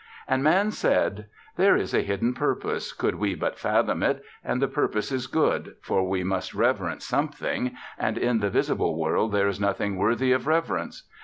And Man said: 'There is a hidden purpose, could we but fathom it, and the purpose is good; for we must reverence something, and in the visible world there is nothing worthy of reverence.'